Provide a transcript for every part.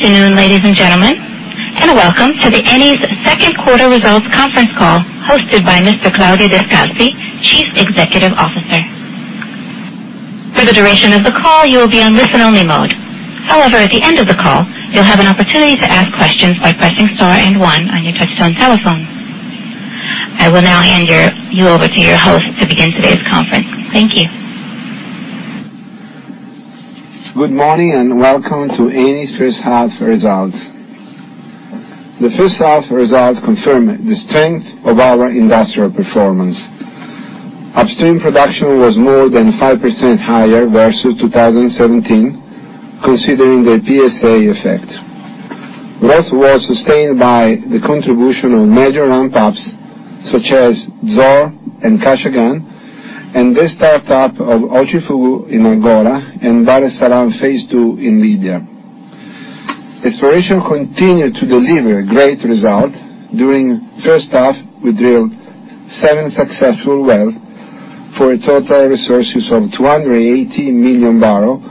Good afternoon, ladies and gentlemen, welcome to Eni's second quarter results conference call hosted by Mr. Claudio Descalzi, Chief Executive Officer. For the duration of the call, you will be on listen-only mode. However, at the end of the call, you'll have an opportunity to ask questions by pressing star and one on your touch-tone telephone. I will now hand you over to your host to begin today's conference. Thank you. Good morning, welcome to Eni's first half results. The first half results confirm the strength of our industrial performance. Upstream production was more than 5% higher versus 2017, considering the PSA effect. Growth was sustained by the contribution of major ramp-ups, such as Zohr and Kashagan, and the start-up of Ochigufu in Angola and Bahr Essalam phase 2 in Libya. Exploration continued to deliver great result. During first half, we drilled seven successful wells for a total resources of 280 million barrel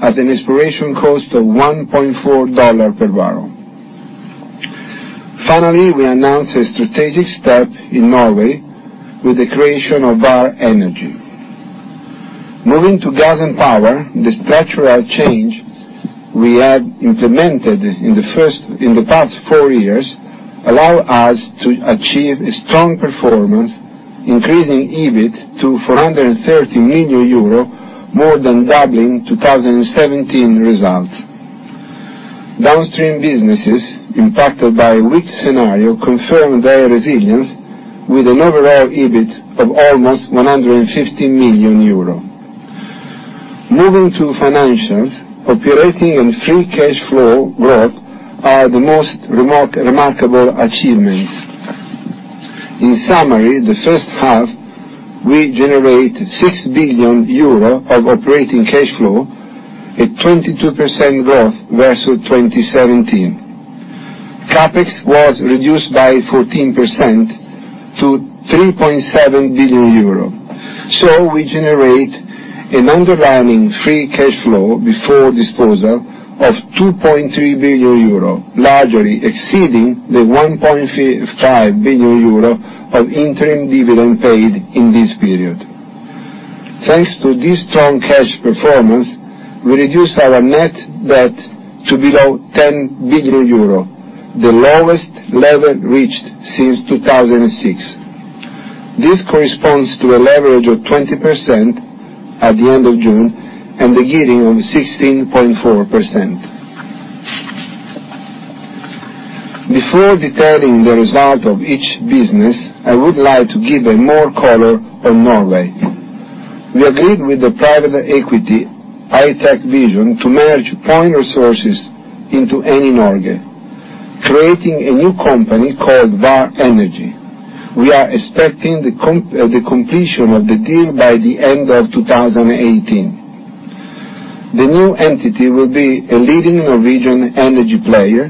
at an exploration cost of $1.4 per barrel. We announced a strategic step in Norway with the creation of Vår Energi. Moving to Gas and Power, the structural change we have implemented in the past four years allow us to achieve a strong performance, increasing EBIT to 430 million euro, more than doubling 2017 result. Downstream businesses impacted by weak scenario confirmed their resilience with an overall EBIT of almost 150 million euro. Moving to financials, operating and free cash flow growth are the most remarkable achievements. In summary, the first half, we generate EUR 6 billion of operating cash flow, a 22% growth versus 2017. CapEx was reduced by 14% to 3.7 billion euro. We generate an underlying free cash flow before disposal of 2.3 billion, largely exceeding the 1.5 billion euro of interim dividend paid in this period. Thanks to this strong cash performance, we reduced our net debt to below EUR 10 billion, the lowest level reached since 2006. This corresponds to a leverage of 20% at the end of June and a gearing of 16.4%. Before detailing the result of each business, I would like to give a more color on Norway. We agreed with the private equity, HitecVision, to merge Point Resources into Eni Norge, creating a new company called Vår Energi. We are expecting the completion of the deal by the end of 2018. The new entity will be a leading Norwegian energy player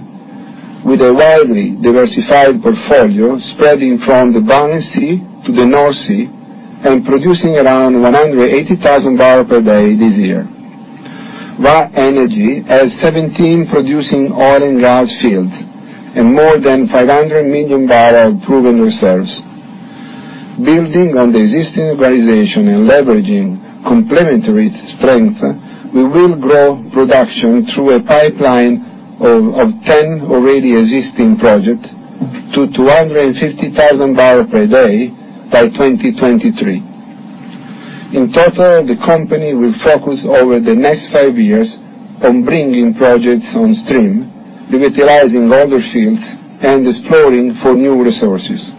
with a widely diversified portfolio spreading from the Barents Sea to the North Sea and producing around 180,000 barrel per day this year. Vår Energi has 17 producing oil and gas fields and more than 500 million barrel proven reserves. Building on the existing organization and leveraging complementary strength, we will grow production through a pipeline of 10 already existing project to 250,000 barrel per day by 2023. In total, the company will focus over the next five years on bringing projects on stream, revitalizing older fields, and exploring for new resources.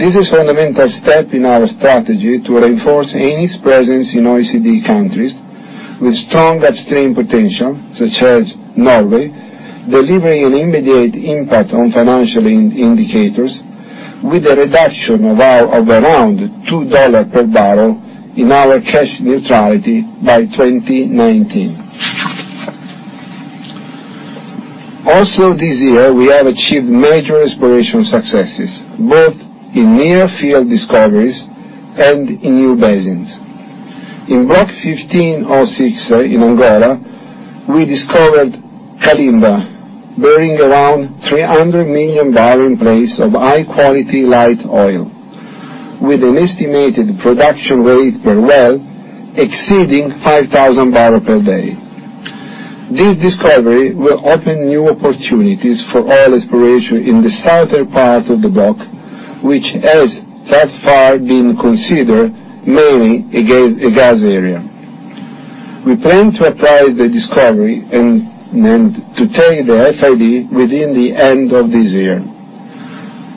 This is fundamental step in our strategy to reinforce Eni's presence in OECD countries with strong upstream potential, such as Norway, delivering an immediate impact on financial indicators with a reduction of around $2 per barrel in our cash neutrality by 2019. Also, this year, we have achieved major exploration successes, both in near-field discoveries and in new basins. In Block 15/06 in Angola, we discovered Kalimba, bearing around 300 million barrel in place of high-quality light oil, with an estimated production rate per well exceeding 5,000 barrel per day. This discovery will open new opportunities for oil exploration in the southern part of the block, which has thus far been considered mainly a gas area. We plan to appraise the discovery and to take the FID within the end of this year.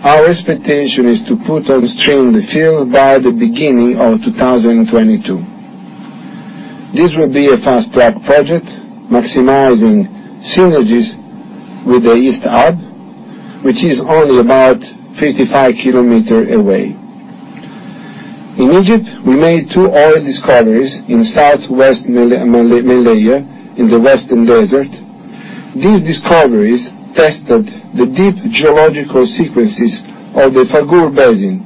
Our expectation is to put on stream the field by the beginning of 2022. This will be a fast-track project, maximizing synergies with the East Hub, which is only about 55 kilometer away. In Egypt, we made two oil discoveries in South West Meleiha in the western desert. These discoveries tested the deep geological sequences of the Faghur Basin,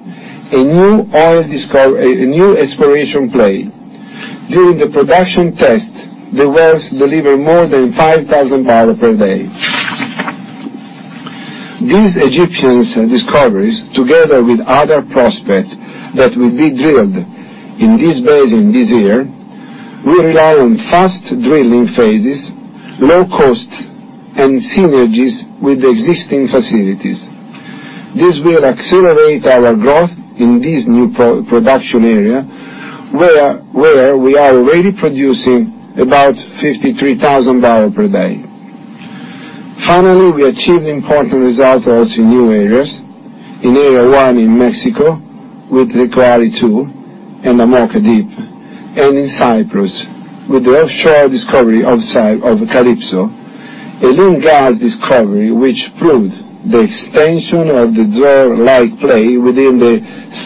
a new exploration play. During the production test, the wells delivered more than 5,000 barrel per day. These Egyptian discoveries, together with other prospects that will be drilled in this basin this year, will rely on fast drilling phases, low costs, and synergies with existing facilities. This will accelerate our growth in this new production area, where we are already producing about 53,000 barrel per day. Finally, we achieved important results also in new areas. In Area 1 in Mexico with the Tecoalli-2 and the Amoca Deep, and in Cyprus with the offshore discovery of Calypso, a lean gas discovery which proved the extension of the Zohr-like play within the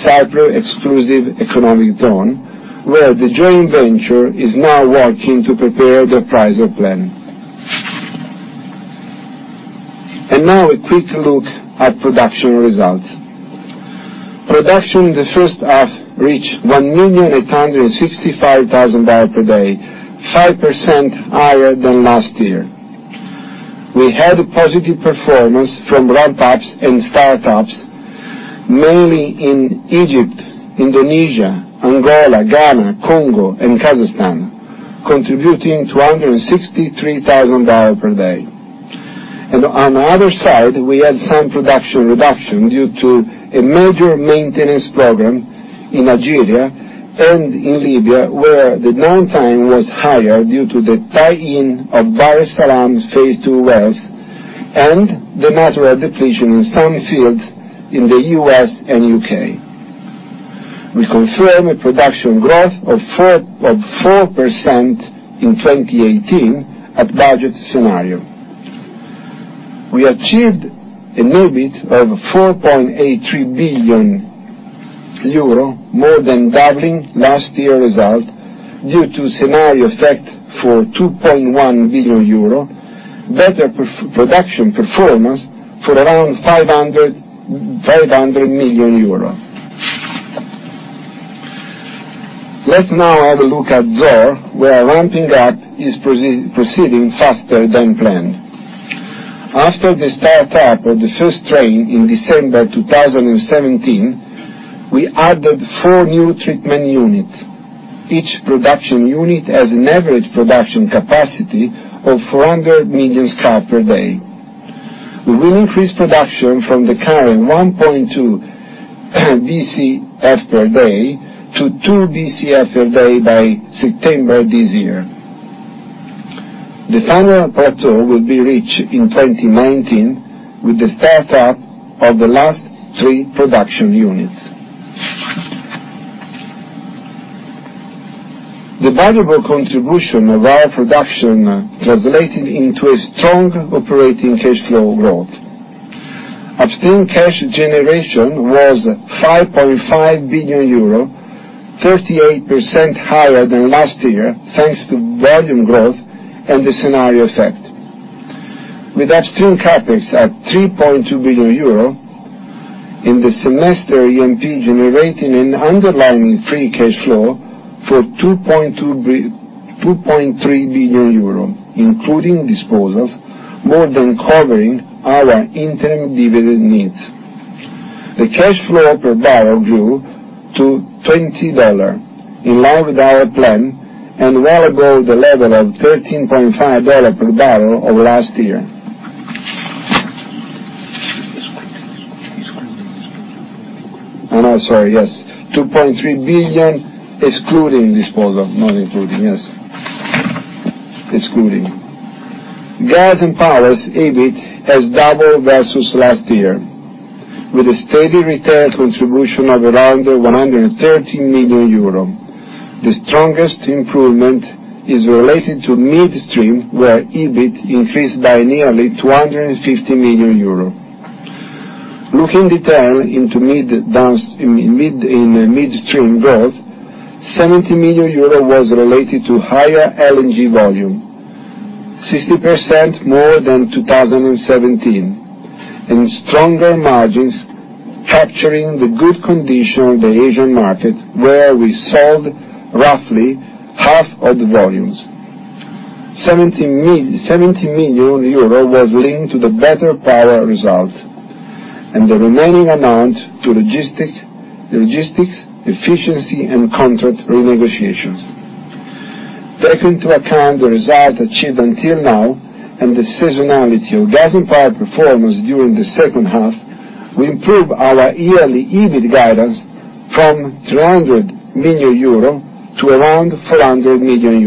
Cyprus exclusive economic zone, where the joint venture is now working to prepare the appraisal plan. A quick look at production results. Production in the first half reached 1,865,000 barrel per day, 5% higher than last year. We had a positive performance from ramp-ups and start-ups, mainly in Egypt, Indonesia, Angola, Ghana, Congo, and Kazakhstan, contributing 263,000 barrel per day. On the other side, we had some production reduction due to a major maintenance program in Nigeria and in Libya, where the downtime was higher due to the tie-in of Bahr Essalam's phase 2 wells and the natural depletion in some fields in the U.S. and U.K. We confirm a production growth of 4% in 2018 at budget scenario. We achieved an EBIT of 4.83 billion euro, more than doubling last year's result due to scenario effect for EUR 2.1 billion, better production performance for around 500 million euros. Let's now have a look at Zohr, where ramping up is proceeding faster than planned. After the start-up of the first train in December 2017, we added four new treatment units. Each production unit has an average production capacity of 400 million scf per day. We will increase production from the current 1.2 Bcf per day to 2 Bcf per day by September this year. The final plateau will be reached in 2019 with the start-up of the last three production units. The valuable contribution of our production translated into a strong operating cash flow growth. Upstream cash generation was €5.5 billion, 38% higher than last year, thanks to volume growth and the scenario effect. With Upstream CapEx at €3.2 billion in the semester, Eni generating an underlying free cash flow for €2.3 billion, including disposals, more than covering our interim dividend needs. The cash flow per barrel grew to $20 in line with our plan and well above the level of $13.5 per barrel over last year. Excluding. I'm sorry, yes, 2.3 billion, excluding disposals, not including, yes. Excluding. Gas and Power's EBIT has doubled versus last year with a steady retail contribution of around €113 million. The strongest improvement is related to midstream, where EBIT increased by nearly €250 million. Looking detail in the midstream growth, €70 million was related to higher LNG volume, 60% more than 2017, and stronger margins capturing the good condition of the Asian market, where we sold roughly half of the volumes. €70 million was linked to the better power result and the remaining amount to logistics, efficiency, and contract renegotiations. Taking into account the result achieved until now and the seasonality of Gas and Power performance during the second half, we improve our yearly EBIT guidance from €300 million to around €400 million.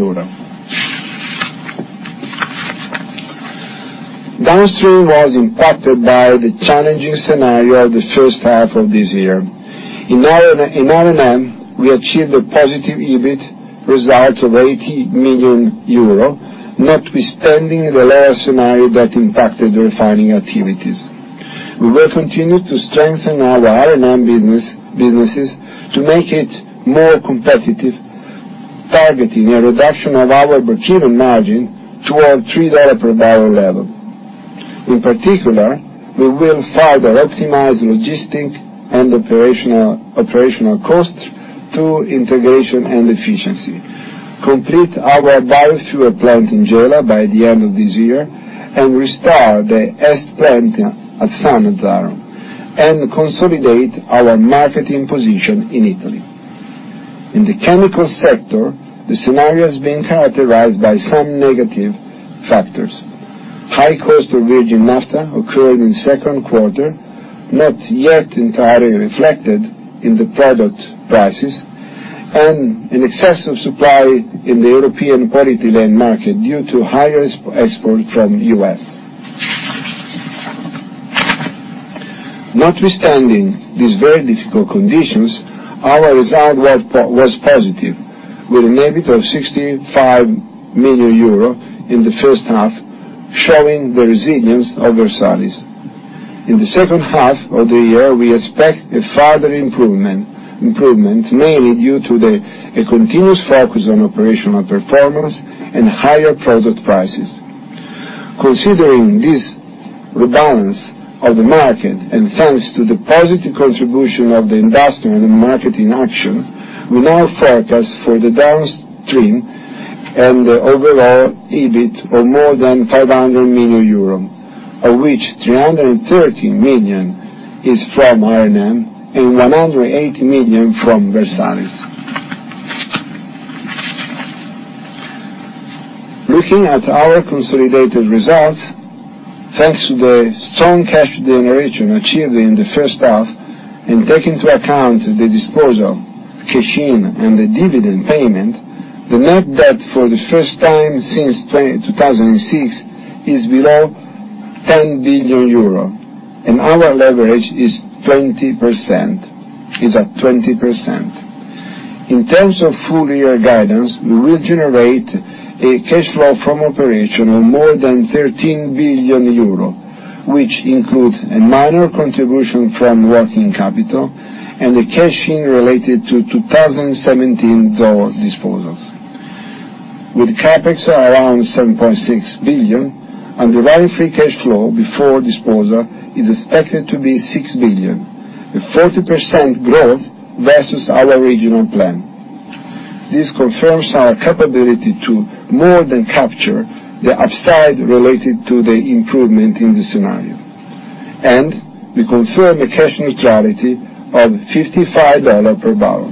Downstream was impacted by the challenging scenario of the first half of this year. In R&M, we achieved a positive EBIT result of €80 million, notwithstanding the lower scenario that impacted the refining activities. We will continue to strengthen our R&M businesses to make it more competitive, targeting a reduction of our procurement margin to our $3 per barrel level. In particular, we will further optimize logistics and operational costs through integration and efficiency, complete our biofuel plant in Gela by the end of this year, and restore the EST plant at Sannazzaro, and consolidate our marketing position in Italy. In the chemical sector, the scenario has been characterized by some negative factors. High cost of virgin naphtha occurred in second quarter, not yet entirely reflected in the product prices, and an excess of supply in the European polyethylene market due to higher export from the U.S. Notwithstanding these very difficult conditions, our result was positive, with an EBITDA of 65 million in the first half, showing the resilience of Versalis. In the second half of the year, we expect a further improvement, mainly due to a continuous focus on operational performance and higher product prices. Considering this rebalance of the market, thanks to the positive contribution of the industrial and marketing action, we now forecast for the downstream and the overall EBIT of more than 500 million euro, of which 330 million is from R&M and 180 million from Versalis. Looking at our consolidated results, thanks to the strong cash generation achieved in the first half, taking into account the disposal, cash-in, and the dividend payment, the net debt for the first time since 2006 is below 10 billion euro, and our leverage is at 20%. In terms of full-year guidance, we will generate a cash flow from operation of more than EUR 13 billion, which includes a minor contribution from working capital and the cash-in related to 2017 disposal. With CapEx around 7.6 billion, underlying free cash flow before disposal is expected to be 6 billion, a 40% growth versus our original plan. This confirms our capability to more than capture the upside related to the improvement in the scenario. We confirm the cash neutrality of $55 per barrel.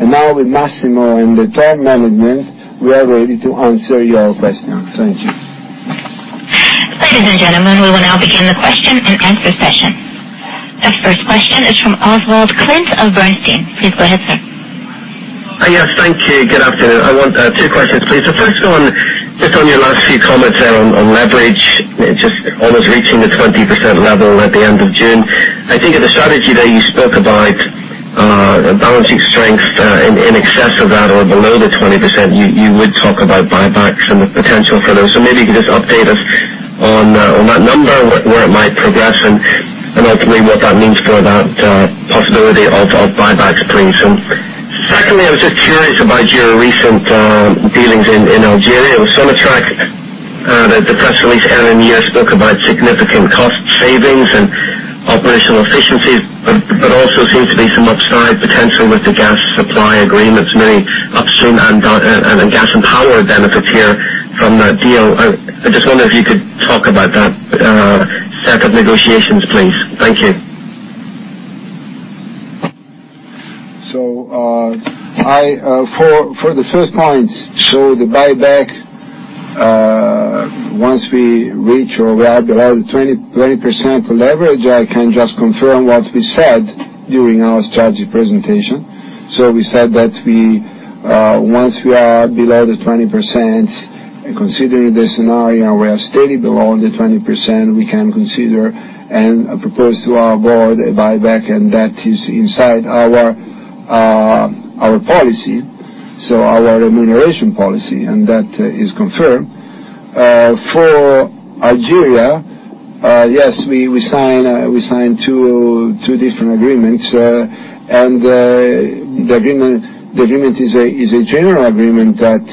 Now with Massimo and the management, we are ready to answer your questions. Thank you. Ladies and gentlemen, we will now begin the question-and-answer session. The first question is from Oswald Clint of Bernstein. Please go ahead, sir. Yes, thank you. Good afternoon. I want two questions, please. The first one, just on your last few comments on leverage, just almost reaching the 20% level at the end of June. I think in the strategy there you spoke about balancing strength in excess of that or below the 20%, you would talk about buybacks and the potential for those. Maybe you could just update us on that number, where it might progress, and ultimately what that means for that possibility of buybacks, please. Secondly, I was just curious about your recent dealings in Algeria with Sonatrach. The press release earlier in the year spoke about significant cost savings and operational efficiencies, but also seems to be some upside potential with the gas supply agreements, maybe upstream and Gas and Power benefits here from that deal. I just wonder if you could talk about that set of negotiations, please. Thank you. For the first point, the buyback, once we reach or we are below the 20% leverage, I can just confirm what we said during our strategy presentation. We said that once we are below the 20%, considering the scenario, we are steady below the 20%, we can consider and propose to our board a buyback, that is inside our policy, our remuneration policy, that is confirmed. For Algeria, yes, we signed two different agreements. The agreement is a general agreement that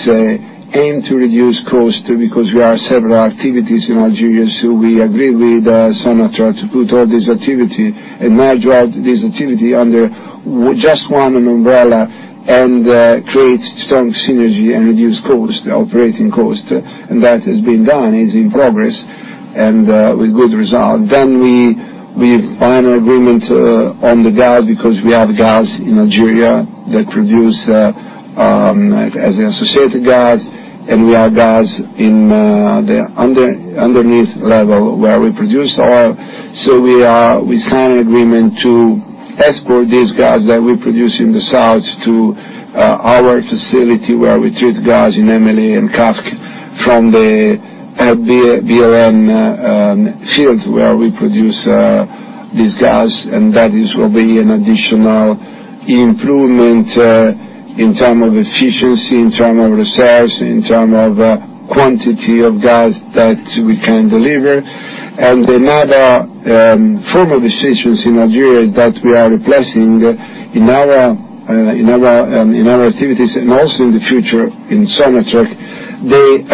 aim to reduce cost because we have several activities in Algeria. We agreed with Sonatrach to put all this activity and merge all this activity under just one umbrella and create strong synergy and reduce cost, operating cost. That has been done, is in progress, and with good result. We final agreement on the gas because we have gas in Algeria that produce as associated gas, and we have gas in the underneath level where we produce oil. We sign an agreement to export this gas that we produce in the south to our facility where we treat gas in Emili and Cac from the BRN field where we produce this gas, that will be an additional improvement in terms of efficiency, in terms of resource, in terms of quantity of gas that we can deliver. Another formal decisions in Algeria is that we are replacing in our activities, and also in the future in Sonatrach The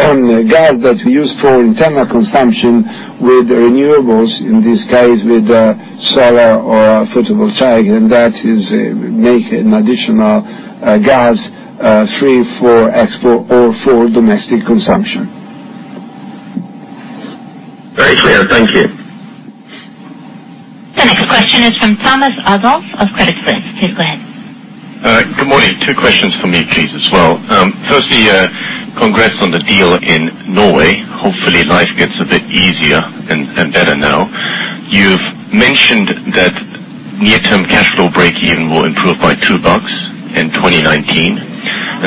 gas that we use for internal consumption with renewables, in this case, with solar or photovoltaic, that makes additional gas free for export or for domestic consumption. Very clear. Thank you. The next question is from Thomas Adolff of Credit Suisse. Please go ahead. Good morning. Two questions for me, please as well. Firstly, congrats on the deal in Norway. Hopefully, life gets a bit easier and better now.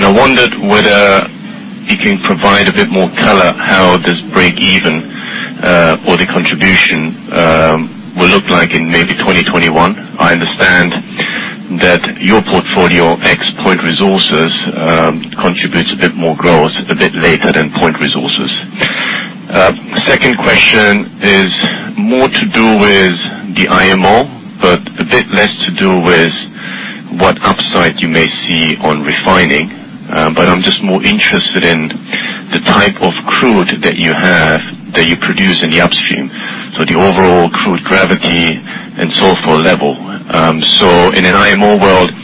I wondered whether you can provide a bit more color how this breakeven or the contribution will look like in maybe 2021. I understand that your portfolio ex Point Resources contributes a bit more growth a bit later than Point Resources. Second question is more to do with the IMO, a bit less to do with what upside you may see on refining. I'm just more interested in the type of crude that you have, that you produce in the upstream. The overall crude gravity and sulfur level. In an IMO world,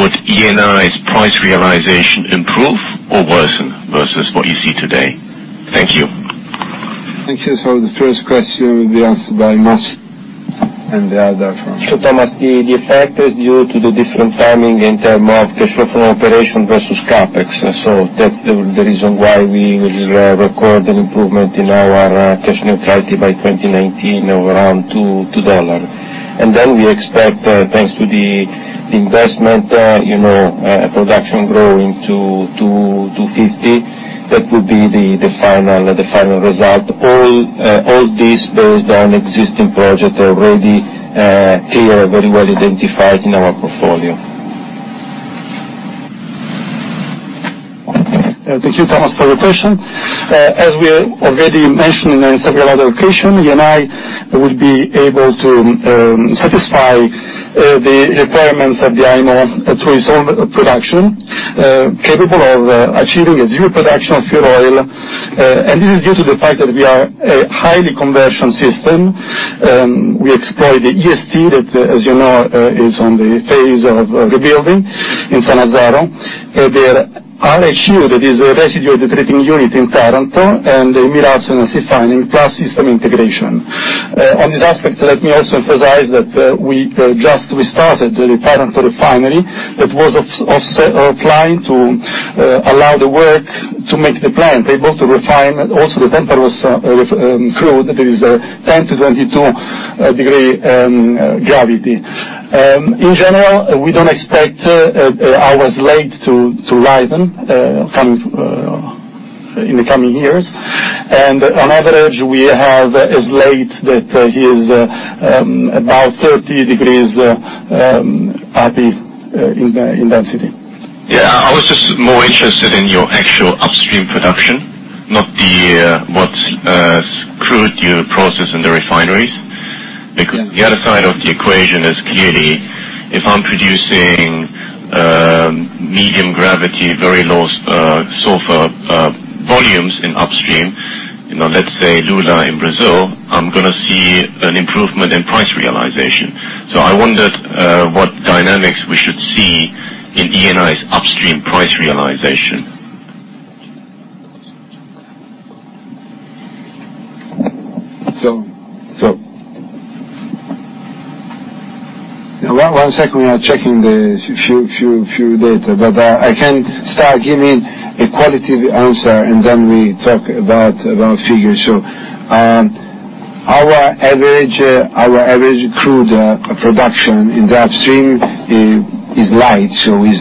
would Eni's price realization improve or worsen versus what you see today? Thank you. Thank you. The first question will be answered by Mass, the other from- Thomas, the effect is due to the different timing in terms of cash flow from operation versus CapEx. That's the reason why we will record an improvement in our cash neutrality by 2019 of around $2. We expect, thanks to the investment, production growing to 250. That will be the final result. All this based on existing projects already clear, very well identified in our portfolio. Thank you, Thomas, for the question. As we already mentioned in several other occasions, Eni will be able to satisfy the requirements of the IMO to resolve production, capable of achieving a zero production of fuel oil. This is due to the fact that we are a highly conversion system. We explore the EST, that, as you know, is on the phase of rebuilding in Sannazzaro. The RHU, that is a residue hydrotreating unit in Taranto, and the Milazzo refining, plus system integration. On this aspect, let me also emphasize that we just restarted the Taranto refinery that was offline to allow the work to make the plant able to refine also the Tempa Rossa crude, that is a 10 to 22 degrees in gravity. In general, we don't expect our slate to lighten in the coming years. On average, we have a slate that is about 30 degrees API in density. Yeah, I was just more interested in your actual upstream production, not what crude you process in the refineries. The other side of the equation is clearly, if I'm producing medium gravity, very low sulfur volumes in upstream, let's say Lula in Brazil, I'm going to see an improvement in price realization. I wondered what dynamics we should see in Eni's upstream price realization. One second. We are checking the few data. I can start giving a qualitative answer, and then we talk about figures. Our average crude production in the upstream is light, so is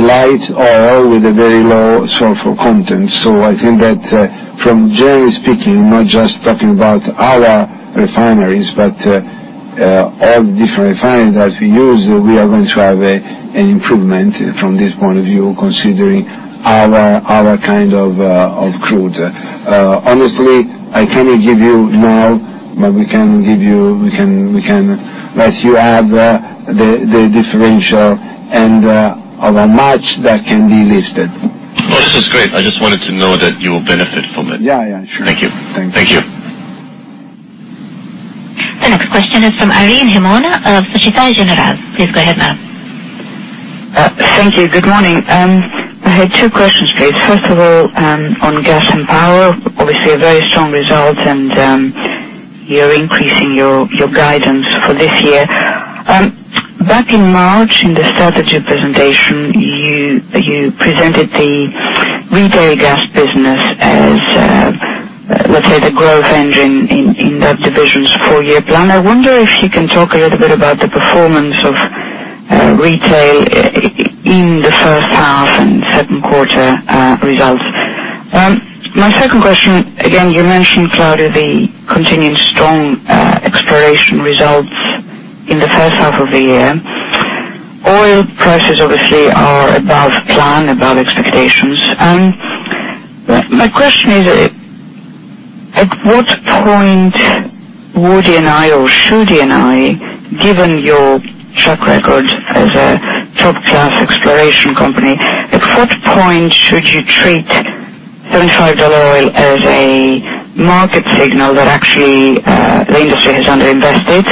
light oil with a very low sulfur content. I think that from generally speaking, not just talking about our refineries, but all the different refineries that we use, we are going to have an improvement from this point of view, considering our kind of crude. Honestly, I cannot give you now, but we can let you have the differential end of March that can be listed. This is great. I just wanted to know that you will benefit from it. Yeah. Sure. Thank you. Thank you. The next question is from Irene Himona of Societe Generale. Please go ahead, ma'am. Thank you. Good morning. I had two questions, please. First of all, on Gas and Power, obviously a very strong result, and you're increasing your guidance for this year. Back in March, in the strategy presentation, you presented the retail gas business as, let's say, the growth engine in that division's four-year plan. I wonder if you can talk a little bit about the performance of retail in the first half and second quarter results. My second question, again, you mentioned, Claudio, the continued strong exploration results in the first half of the year. Oil prices obviously are above plan, above expectations. My question is. At what point would Eni or should Eni, given your track record as a top-class exploration company, at what point should you treat $75 oil as a market signal that actually, the industry has under-invested,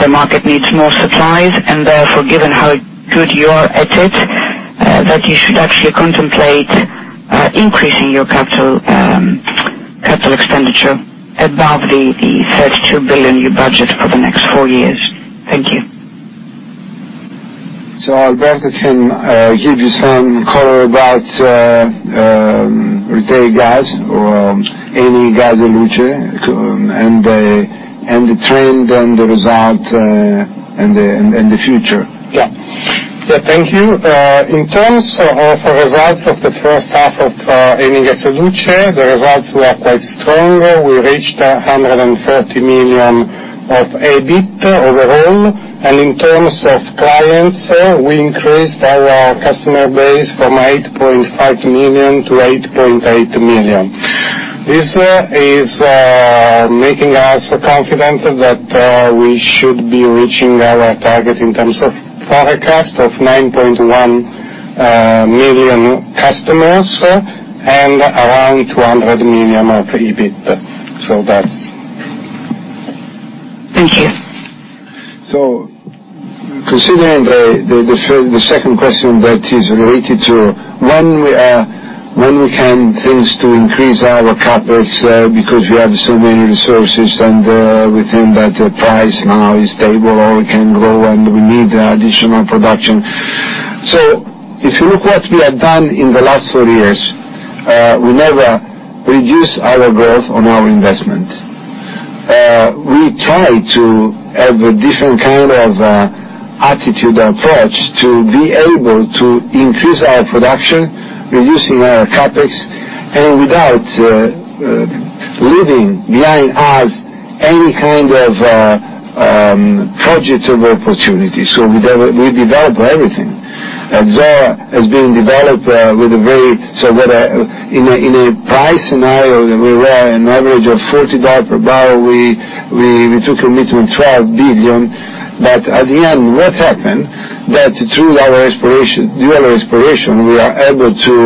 the market needs more supplies, and therefore, given how good you are at it, that you should actually contemplate increasing your CapEx above the 32 billion you budget for the next four years? Thank you. Alberto can give you some color about retail gas or Eni gas e luce, and the trend and the result in the future. Yeah. Thank you. In terms of results of the first half of Eni gas e luce, the results were quite strong. We reached 140 million of EBIT overall. In terms of clients, we increased our customer base from 8.5 million to 8.8 million. This is making us confident that we should be reaching our target in terms of forecast of 9.1 million customers and around 200 million of EBIT. Thank you. Considering the second question that is related to when we can think to increase our CapEx because we have so many resources and we think that the price now is stable, or we can go and we need additional production. If you look what we have done in the last four years, we never reduce our growth on our investment. We try to have a different kind of attitude or approach to be able to increase our production, reducing our CapEx, and without leaving behind us any kind of projectable opportunity. We develop everything. Zohr has been developed with a very. In a price scenario that we were an average of $40 per barrel, we took a commitment of 12 billion, at the end, what happened that through our exploration, we are able to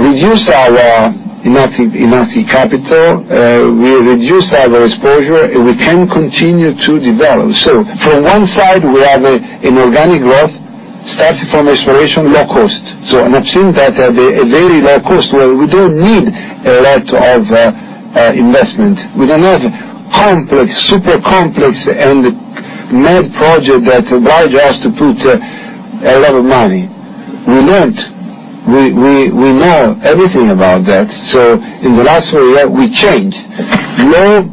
reduce our in-house capital, we reduced our exposure, and we can continue to develop. From one side, we have an organic growth starting from exploration low cost. An upstream that at a very low cost, well, we don't need a lot of investment. We don't have complex, super complex, and mad project that requires us to put a lot of money. We learned. We know everything about that. In the last four years, we changed. Low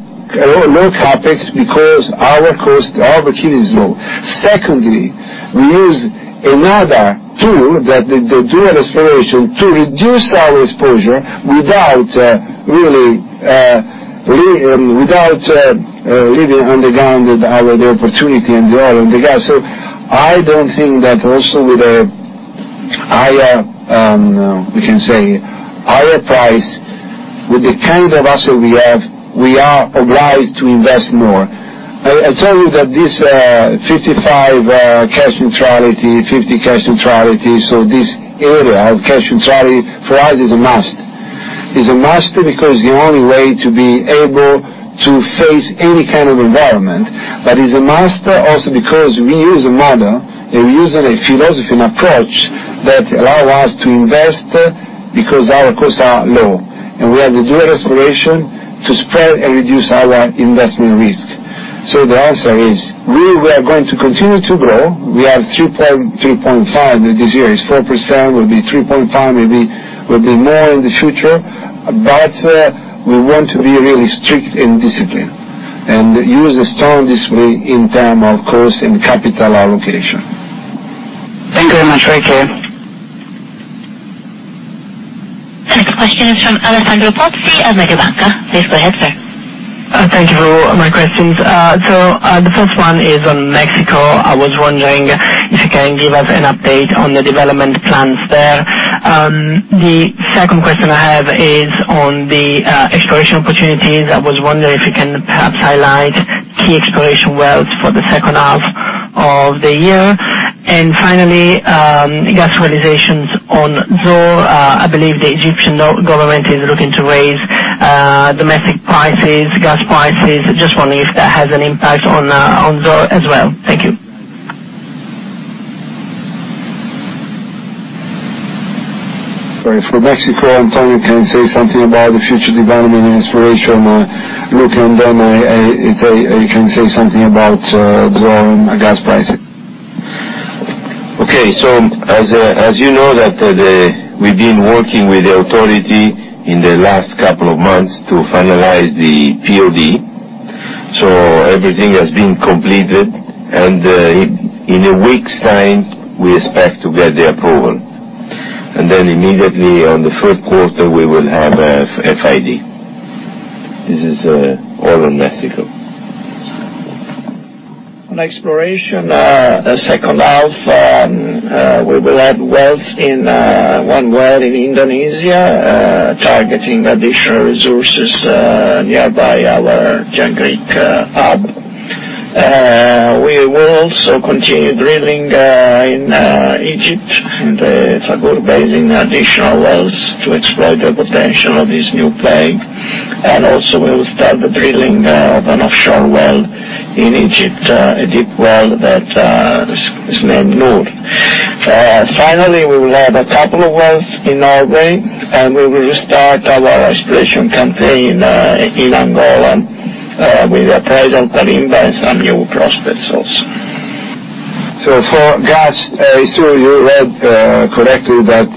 CapEx because our cost, our overhead is low. Secondly, we use another tool that they do an exploration to reduce our exposure without leaving underground our opportunity in the oil and the gas. I don't think that also with a higher, we can say, higher price with the kind of asset we have, we are obliged to invest more. I tell you that this $55 cash neutrality, $50 cash neutrality, this area of cash neutrality for us is a must. It's a must because the only way to be able to face any kind of environment, it's a must also because we use a model, and we use a philosophy and approach that allow us to invest because our costs are low, and we have to do an exploration to spread and reduce our investment risk. The answer is, we are going to continue to grow. We are 3.5% this year. It's 4%, we'll be 3.5%, maybe we'll be more in the future, we want to be really strict and disciplined and use a strong discipline in terms of cost and capital allocation. Thank you very much, Claudio. Next question is from Alessandro Pozzi of Mediobanca. Please go ahead, sir. Thank you for my questions. The first one is on Mexico. I was wondering if you can give us an update on the development plans there. The second question I have is on the exploration opportunities. I was wondering if you can perhaps highlight key exploration wells for the second half of the year. Finally, gas realizations on Zohr. I believe the Egyptian government is looking to raise domestic prices, gas prices. Just wondering if that has an impact on Zohr as well. Thank you. For Mexico, Antonio can say something about the future development and exploration, looking then I can say something about Zohr and gas prices. Okay. As you know that we've been working with the authority in the last couple of months to finalize the POD. Everything has been completed, and in a week's time, we expect to get the approval. Then immediately on the third quarter, we will have FID. This is all on Mexico. On exploration, the second half, we will add wells in one well in Indonesia, targeting additional resources nearby our Jangkrik hub. We will also continue drilling in Egypt, in the Faghur Basin, additional wells to explore the potential of this new play. Also we will start the drilling of an offshore well in Egypt, a deep well that is named Noor. Finally, we will have a couple of wells in Norway, and we will restart our exploration campaign in Angola with the project Kalimba and some new prospects also. For gas, Claudio, you read correctly that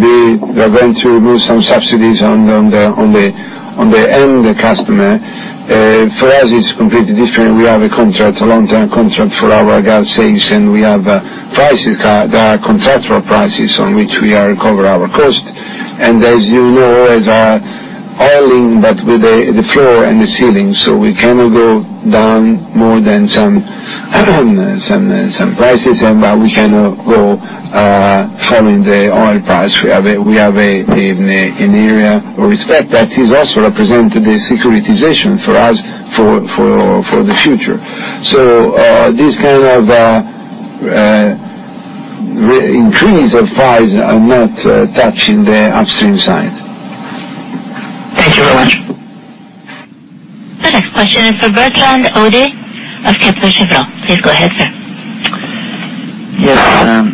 we are going to remove some subsidies on the end customer. For us, it's completely different. We have a long-term contract for our gas sales, and we have prices, there are contractual prices on which we recover our cost. As you know, as oil-linked, but with the floor and the ceiling, we cannot go down more than some prices, and we cannot go following the oil price. We have an area of respect that is also represented the securitization for us for the future. This kind of increase of price are not touching the upstream side. Thank you very much. The next question is from Bertrand Hodee of Kepler Cheuvreux. Please go ahead, sir. Yes.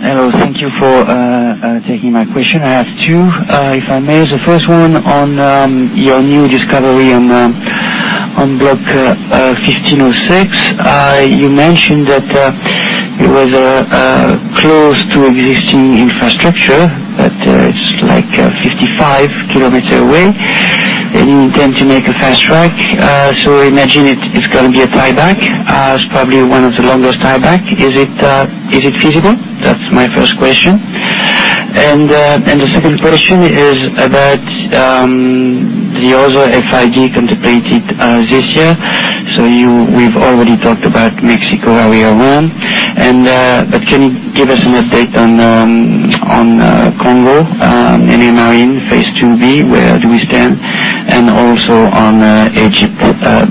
Hello, thank you for taking my question. I have two, if I may. The first one on your new discovery on Block 1506. You mentioned that it was close to existing infrastructure, but it's 55 km away, and you intend to make a fast-track. Imagine it's going to be a tieback. It's probably one of the longest tieback. Is it feasible? That's my first question. The second question is about the other FID contemplated this year. We've already talked about Mexico Area 1. Can you give us an update on Congo, Nené Marine Phase 2B, where do we stand, and also on Egypt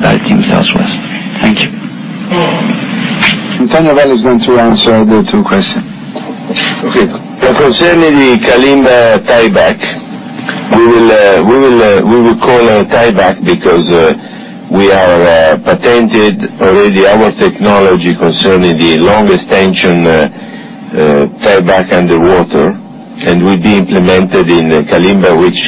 Baltim Southwest? Thank you. Antonio is going to answer the two questions. Okay. Concerning the Kalimba tieback, we will call a tieback because we have patented already our technology concerning the longest tension tieback underwater, and will be implemented in Kalimba, which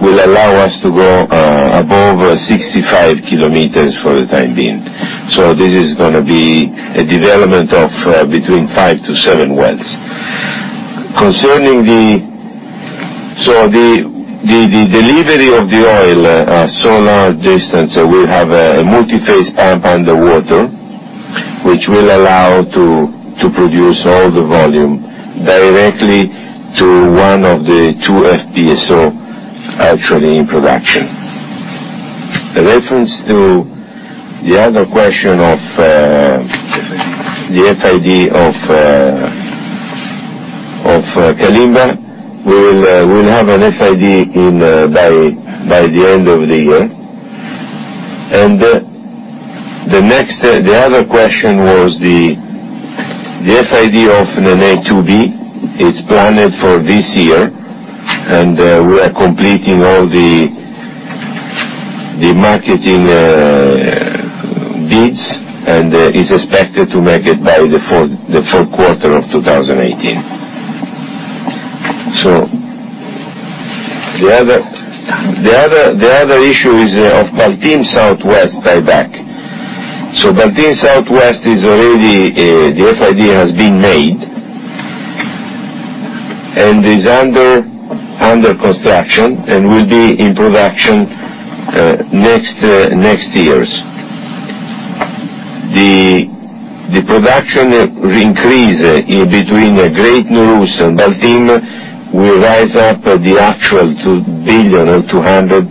will allow us to go above 65 kilometers for the time being. This is going to be a development of between five to seven wells. The delivery of the oil, solar distance, we have a multi-phase pump underwater, which will allow to produce all the volume directly to one of the two FPSO actually in production. A reference to the other question of- FID the FID of Kalimba, we'll have an FID by the end of the year. The other question was the FID of Nené Marine. It's planned for this year, and we are completing all the marketing bids, and it's expected to make it by the fourth quarter of 2018. The other issue is of Baltim Southwest tieback. Baltim Southwest, the FID has been made and is under construction and will be in production next years. The production will increase in between Great Nooros and Baltim will rise up the actual 2 billion or 200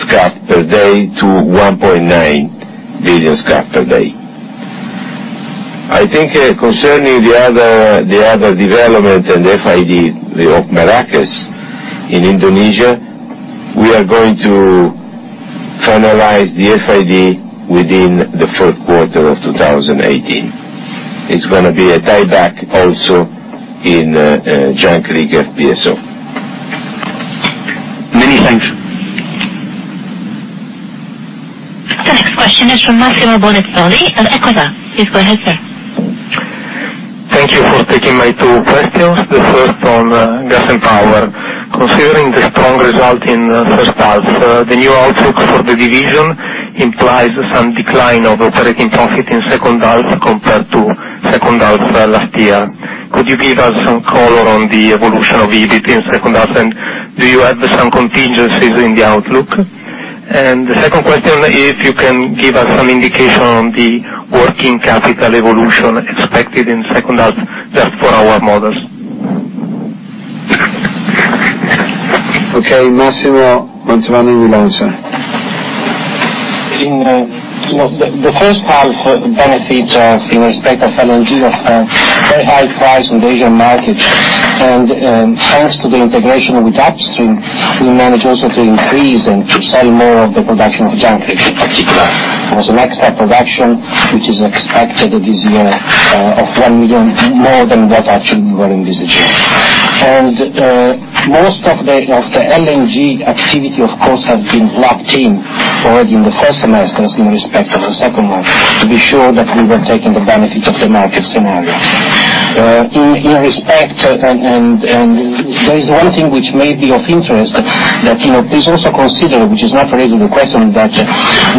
SCF per day to 1.9 billion SCF per day. I think concerning the other development and FID of Merakes in Indonesia, we are going to finalize the FID within the fourth quarter of 2018. It's going to be a tieback also in Jangkrik FPU. Many thanks. The next question is from Massimo Bonizzoni of Equita. Please go ahead, sir. Thank you for taking my two questions. The first on Gas and Power. Considering the strong result in first half, the new outlook for the division implies some decline of operating profit in second half compared to second half last year. Could you give us some color on the evolution of EBIT in second half, do you have some contingencies in the outlook? The second question, if you can give us some indication on the working capital evolution expected in second half, just for our models. Okay, Massimo. Want to run with Milani. The first half benefits of, in respect of LNG, of very high price in the Asian markets. Thanks to the integration with upstream, we managed also to increase and to sell more of the production of Jangkrik, in particular, as an extra production, which is expected this year of 1 million more than what actually we were in this agenda. Most of the LNG activity, of course, have been locked in already in the first semester in respect of the second one, to be sure that we were taking the benefit of the market scenario. There is one thing which may be of interest that please also consider, which is not related to the question, that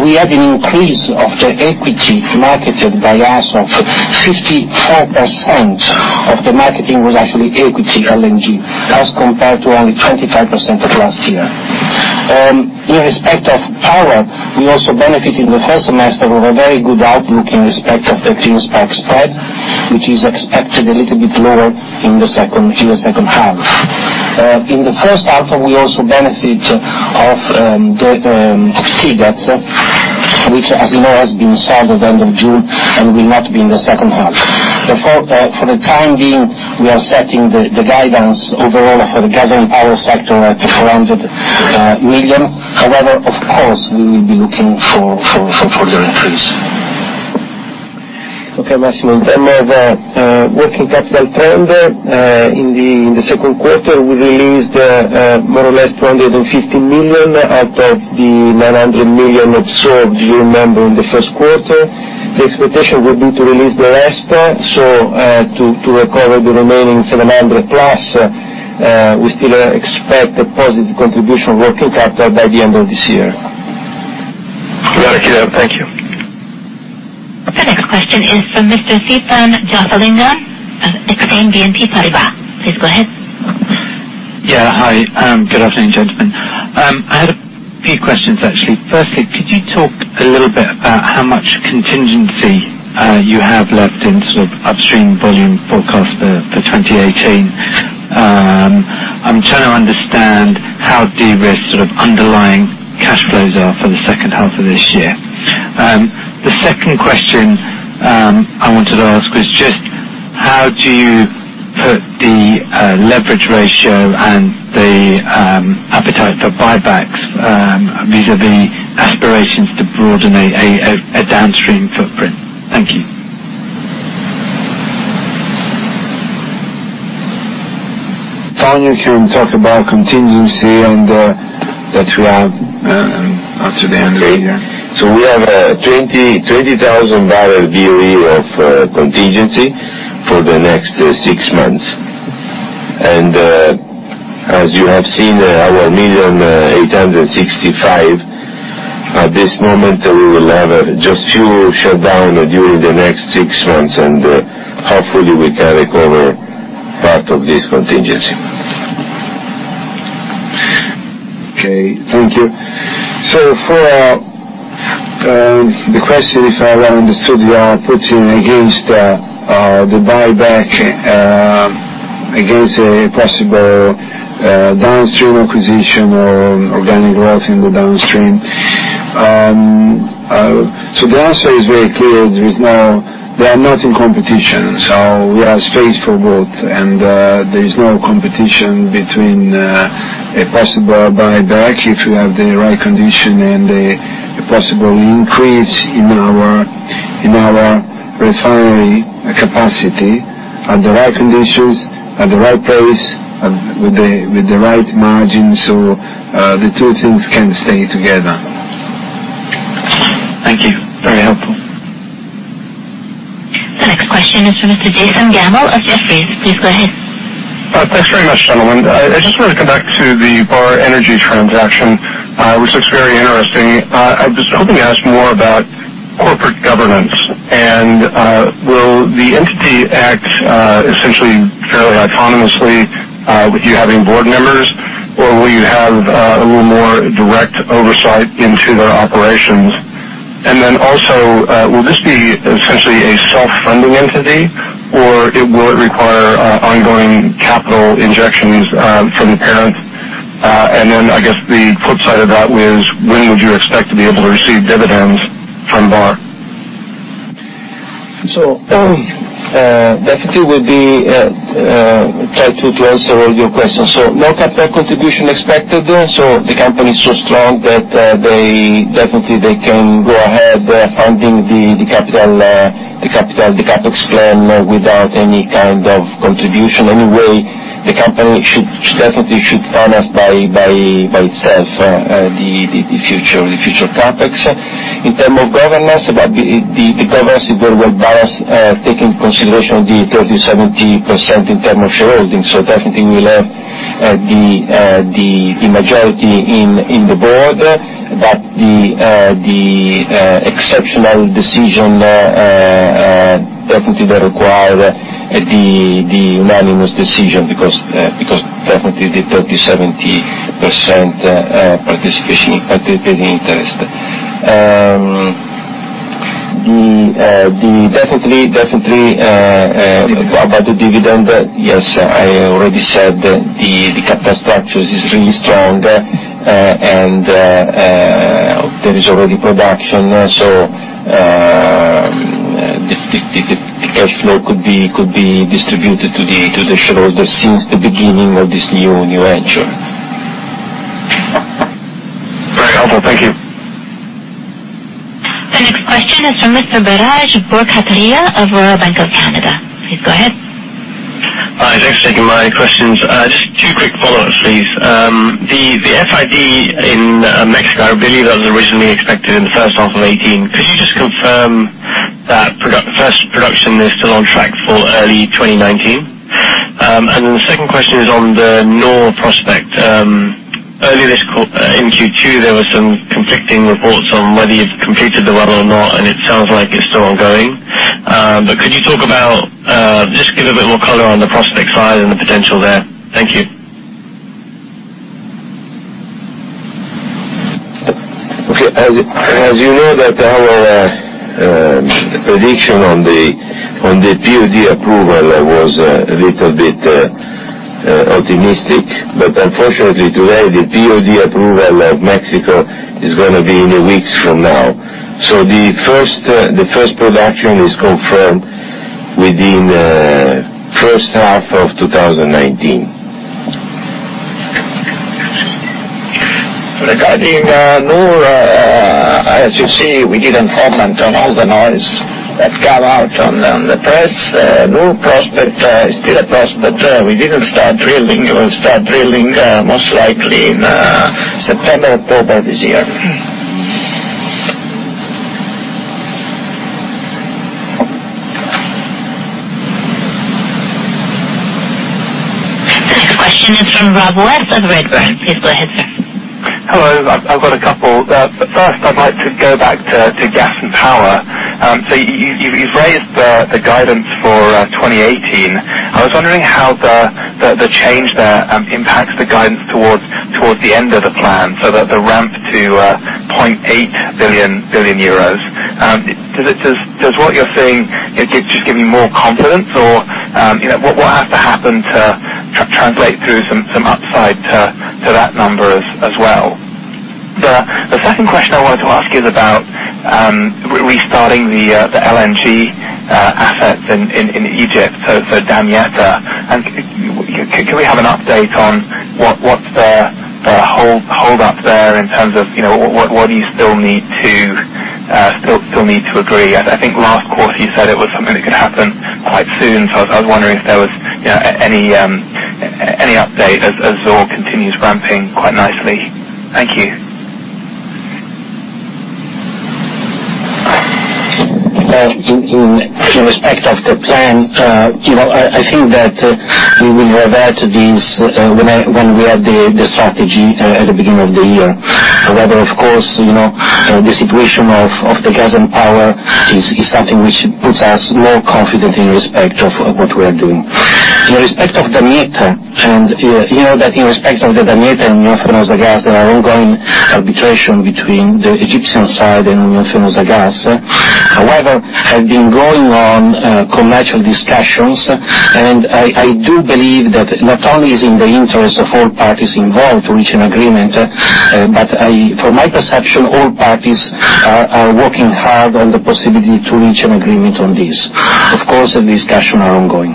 we had an increase of the equity marketed by us of 54% of the marketing was actually equity LNG, as compared to only 25% of last year. In respect of power, we also benefited in the first semester of a very good outlook in respect of the clean spark spread, which is expected a little bit lower in the second half. In the first half, we also benefit of the CDT, which, as you know, has been solved at the end of June and will not be in the second half. For the time being, we are setting the guidance overall for the Gas and Power sector at 400 million. Of course, we will be looking for further increase. Okay, Massimo. In terms of working capital turnover, in the second quarter, we released more or less 250 million out of the 900 million absorbed, you remember, in the first quarter. The expectation would be to release the rest. To recover the remaining 700-plus, we still expect a positive contribution working capital by the end of this year. Clear. Thank you. The next question is from Mr. Theepan Jothilingam of Exane BNP Paribas. Please go ahead. Yeah, hi. Good afternoon, gentlemen. I had a few questions, actually. Firstly, could you talk a little bit about how much contingency you have left in sort of upstream volume forecast for 2018? I'm trying to understand how de-risked sort of underlying cash flows are for the second half of this year. The second question I wanted to ask was just how do you put the leverage ratio and the appetite for buybacks vis-a-vis aspirations to broaden a downstream footprint? Thank you. Claudio, can talk about contingency that we have. After the end of the year. We have a 20,000 BOE of contingency for the next six months. As you have seen, our million 865, at this moment, we will have just few shutdown during the next six months, and hopefully we can recover part of this contingency. Okay, thank you. For the question, if I well understood, you are putting against the buyback, against a possible downstream acquisition or organic growth in the downstream. The answer is very clear. There is no, they are not in competition. We have space for both, and there is no competition between a possible buyback if you have the right condition and a possible increase in our refinery capacity at the right conditions, at the right place, with the right margins. The two things can stay together. Thank you. Very helpful. The next question is from Mr. Jason Gammel of Jefferies. Please go ahead. Thanks very much, gentlemen. I just want to come back to the Vår Energi transaction, which looks very interesting. I was hoping to ask more about corporate governance. Will the entity act essentially fairly autonomously with you having board members, or will you have a little more direct oversight into their operations? Then also, will this be essentially a self-funding entity, or will it require ongoing capital injections from the parent? Then I guess the flip side of that is when would you expect to be able to receive dividends from Vår Energi? Definitely try to answer all your questions. No capital contribution expected there. The company is so strong that definitely they can go ahead funding the CapEx plan without any kind of contribution. Anyway, the company definitely should finance by itself the future CapEx. In terms of governance, the governance is very well balanced, taking consideration of the 30%/70% in terms of shareholding. Definitely, we'll have the majority in the board, but the exceptional decision, definitely they require the unanimous decision because definitely the 30%/70% participating interest. Definitely about the dividend. Yes, I already said the capital structure is really strong, and there is already production. The cash flow could be distributed to the shareholder since the beginning of this new venture. Very helpful. Thank you. The next question is from Mr. Biraj Borkhataria of Royal Bank of Canada. Please go ahead. Hi, thanks for taking my questions. Just two quick follow-ups, please. The FID in Mexico, I believe that was originally expected in the first half of 2018. Could you just confirm that first production is still on track for early 2019? The second question is on the Noor prospect. Earlier in Q2, there were some conflicting reports on whether you've completed the well or not, and it sounds like it's still ongoing. Could you talk about, just give a bit more color on the prospect side and the potential there? Thank you. Okay. As you know, our prediction on the POD approval was a little bit optimistic. Unfortunately today the POD approval of Mexico is going to be in weeks from now. The first production is confirmed within the first half of 2019. Regarding Noor, as you see, we didn't comment on all the noise that came out on the press. Noor prospect is still a prospect. We didn't start drilling. We will start drilling most likely in September or October this year. The next question is from Rob West of Redburn. Please go ahead, sir. Hello, I've got a couple. First, I'd like to go back to Gas and Power. You've raised the guidance for 2018. I was wondering how the change there impacts the guidance towards the end of the plan, the ramp to 0.8 billion. Does what you're saying just give you more confidence? What has to happen to translate through some upside to that number as well? The second question I wanted to ask you is about restarting the LNG assets in Egypt, Damietta. Can we have an update on what's the hold-up there in terms of what do you still need to agree? I think last quarter you said it was something that could happen quite soon. I was wondering if there was any update as Zohr continues ramping quite nicely. Thank you. In respect of the plan, I think that we will revert to these when we had the strategy at the beginning of the year. However, of course, the situation of the Gas and Power is something which puts us more confident in respect of what we are doing. In respect of Damietta, and you know that in respect of the Damietta and Union Fenosa Gas, there are ongoing arbitration between the Egyptian side and Union Fenosa Gas. However, have been going on commercial discussions, and I do believe that not only is in the interest of all parties involved to reach an agreement, but for my perception, all parties are working hard on the possibility to reach an agreement on this. Of course, the discussions are ongoing.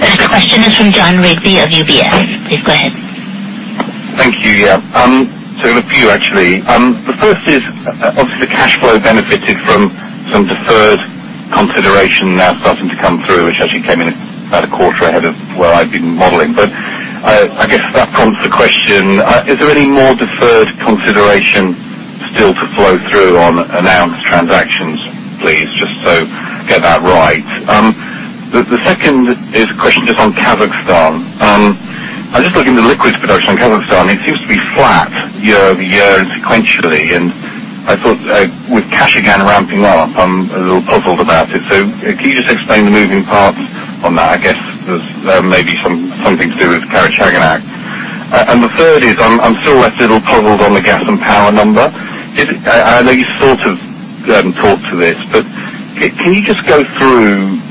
The next question is from Jon Rigby of UBS. Please go ahead. Thank you. A few, actually. The first is, obviously, the cash flow benefited from some deferred consideration now starting to come through, which actually came in about a quarter ahead of where I've been modeling. I guess that prompts the question, is there any more deferred consideration still to flow through on announced transactions, please? Just so get that right. The second is a question just on Kazakhstan. I was just looking at the liquids production in Kazakhstan. It seems to be flat year-over-year and sequentially, and I thought with Kashagan ramping up, I'm a little puzzled about it. Can you just explain the moving parts on that? I guess there's maybe something to do with Karachaganak. The third is, I'm still a little puzzled on the Gas and Power number. I know you sort of talked to this, can you just go through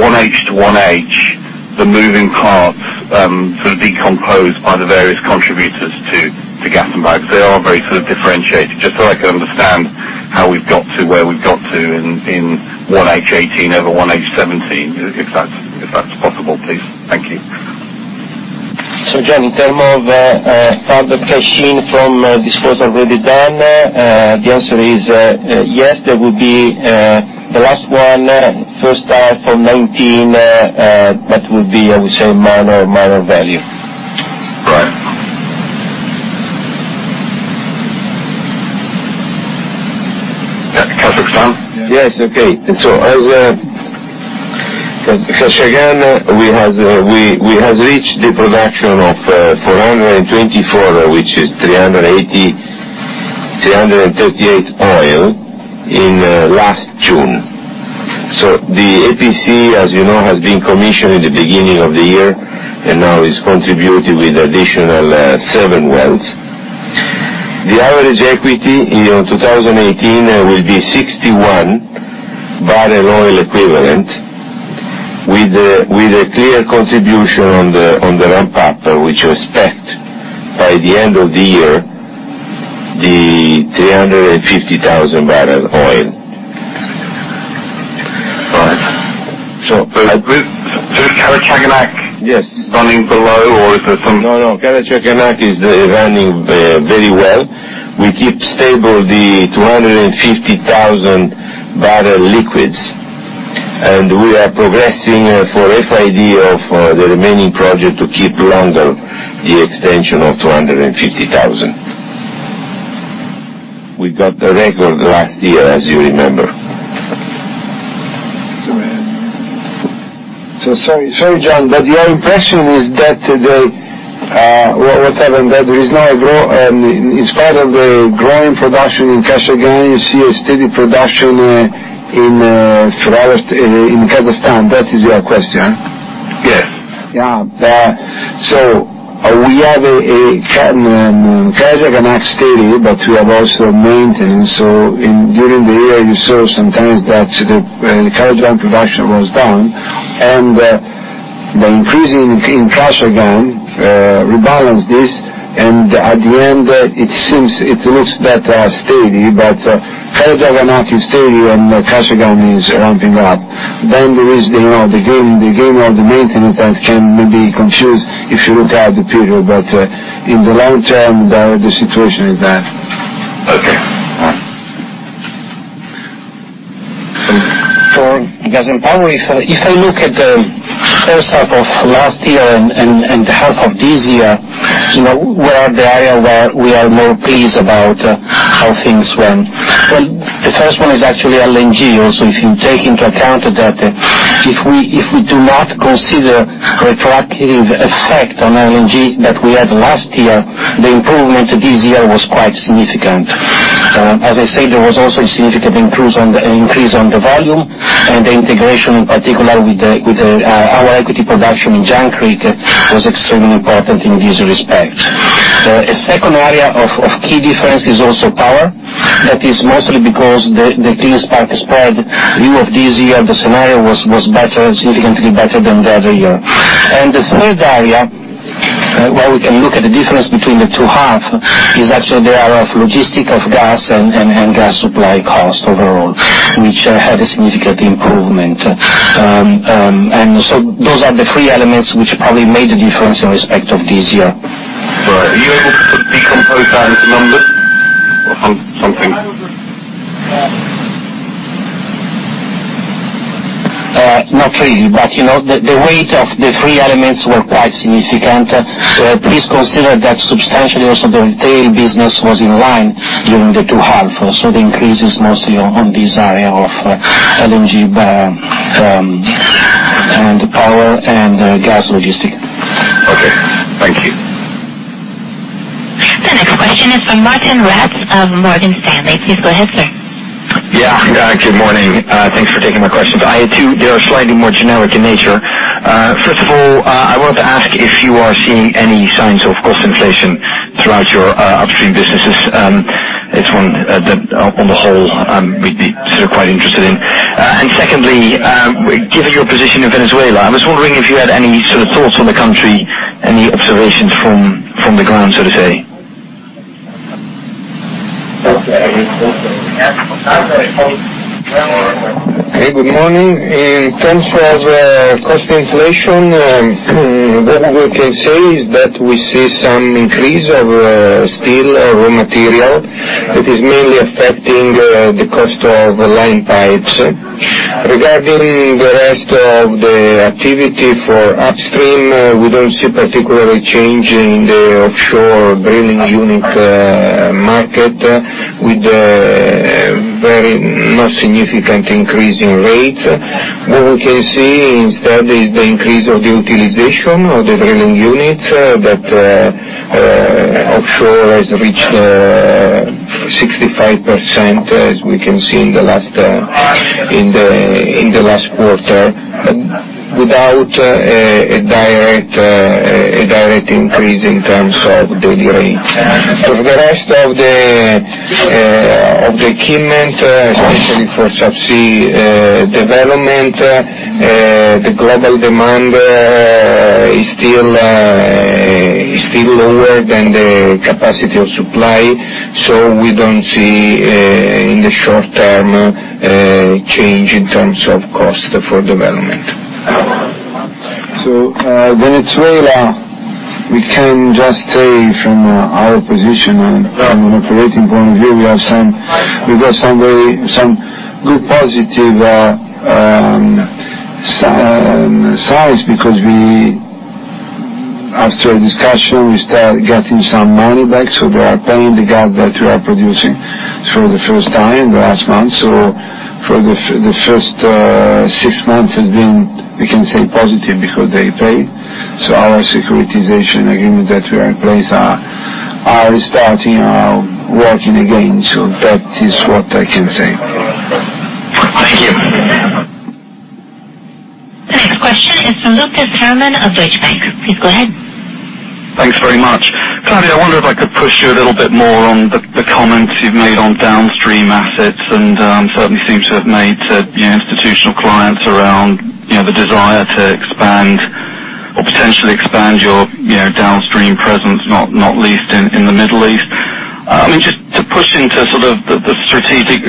1H to 1H, the moving parts sort of decomposed by the various contributors to Gas and Power? Because they are very sort of differentiated. Just so I can understand how we've got to where we've got to in 1H18 over 1H17, if that's possible, please. Thank you. Jon, in terms of part of cash-in from disposals already done, the answer is yes, there will be the last one first half of 2019, will be, I would say, minor value. Right. Kazakhstan? Yes. Okay. As Kashagan, we have reached the production of 424, which is 380 338 oil in last June. The APC, as you know, has been commissioned in the beginning of the year and now is contributing with additional seven wells. The average equity in 2018 will be 61 barrel oil equivalent, with a clear contribution on the ramp-up, which we expect by the end of the year, the 350,000 barrel oil. All right. is Karachaganak- Yes running below or is there some- No, no. Karachaganak is running very well. We keep stable the 250,000 barrel liquids, and we are progressing for FID of the remaining project to keep longer the extension of 250,000. We got the record last year, as you remember. Go ahead. Sorry, Jon, your impression is that there is now a grow, in spite of the growing production in Karachaganak, you see a steady production in Kazakhstan? That is your question? Yeah. Yeah. We have Karachaganak steady, we have also maintenance. During the year, you saw sometimes that Karachaganak production was down, the increase in Kashagan rebalanced this. At the end, it looks better steady, Karachaganak is steady Kashagan is ramping up. There is the game of the maintenance that can maybe confuse if you look at the period, in the long term, the situation is that. Okay. All right. For Gas and Power, if I look at the first half of last year and the half of this year, where are the area where we are more pleased about how things went? Well, the first one is actually LNG. If you take into account that if we do not consider retroactive effect on LNG that we had last year, the improvement this year was quite significant. As I said, there was also a significant increase on the volume and the integration, in particular with our equity production in Jangkrik, was extremely important in this respect. A second area of key difference is also power. That is mostly because the clean spark spread view of this year, the scenario was significantly better than the other year. The third area where we can look at the difference between the two halves is actually the area of logistics of gas and gas supply cost overall, which had a significant improvement. Those are the three elements which probably made the difference in respect of this year. Right. Are you able to decompose that into numbers or something? Not really, the weight of the three elements were quite significant. Please consider that substantially also the retail business was in line during the two halves. The increase is mostly on this area of LNG and power and gas logistics. Okay. Thank you. The next question is from Martijn Rats of Morgan Stanley. Please go ahead, sir. Yeah. Good morning. Thanks for taking my questions. I had two. They are slightly more generic in nature. First of all, I wanted to ask if you are seeing any signs of cost inflation throughout your upstream businesses. It's one on the whole we'd be quite interested in. Secondly, given your position in Venezuela, I was wondering if you had any sort of thoughts on the country, any observations from the ground, so to say. Okay. Good morning. In terms of cost inflation, what we can say is that we see some increase of steel raw material that is mainly affecting the cost of line pipes. Regarding the rest of the activity for upstream, we don't see particular change in the offshore drilling unit market with very not significant increase in rates. What we can see instead is the increase of the utilization of the drilling units, but offshore has reached 65%, as we can see in the last quarter, without a direct increase in terms of the rates. For the rest of the equipment, especially for subsea development, the global demand is still lower than the capacity of supply. We don't see, in the short term, a change in terms of cost for development. Venezuela, we can just say from our position and from an operating point of view, we got some good positive signs because after a discussion, we start getting some money back. They are paying the gas that we are producing. For the first time in the last month. For the first six months has been, we can say positive because they paid. Our securitization agreement that we are in place are starting, are working again. That is what I can say. Thank you. The next question is from Lucas Herrmann of Deutsche Bank. Please go ahead. Thanks very much. Claudio, I wonder if I could push you a little bit more on the comments you've made on downstream assets and certainly seems to have made to institutional clients around the desire to expand or potentially expand your downstream presence, not least in the Middle East. Just to push into sort of the strategic